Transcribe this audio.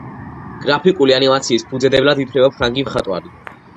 გრაფიკული ანიმაციის ფუძემდებლად ითვლება ფრანგი მხატვარი